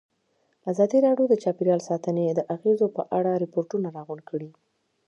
ازادي راډیو د چاپیریال ساتنه د اغېزو په اړه ریپوټونه راغونډ کړي.